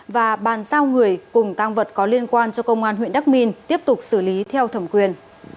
và bàn giao người cùng tăng vật có liên quan cho công an huyện đắk minh tiếp tục xử lý theo thẩm quyền